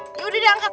ini udah diangkat